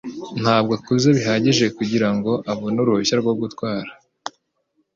Ntabwo akuze bihagije kugirango abone uruhushya rwo gutwar